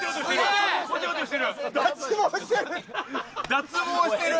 脱毛してる！